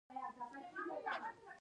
ایا ورته مینه ورکوئ؟